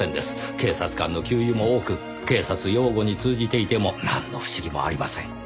警察官の給油も多く警察用語に通じていてもなんの不思議もありません。